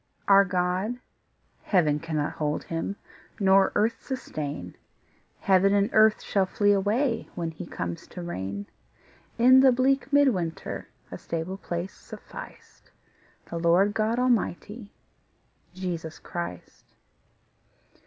Our God, heaven cannot hold Him, Nor earth sustain; Heaven and earth shall flee away When He comes to reign: In the bleak mid winter A stable place sufficed The Lord God Almighty, Jesus Christ.